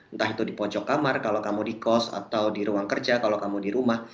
entah itu di pojok kamar kalau kamu di kos atau di ruang kerja kalau kamu di rumah